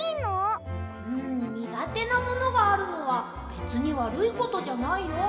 うんにがてなものがあるのはべつにわるいことじゃないよ。